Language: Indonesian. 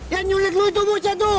yang nyulik lo itu bu chetu